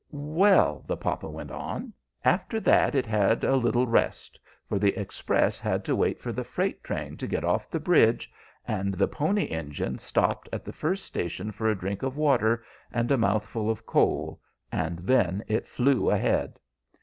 "Well," the papa went on, "after that it had a little rest, for the Express had to wait for the freight train to get off the bridge, and the Pony Engine stopped at the first station for a drink of water and a mouthful of coal, and then it flew ahead.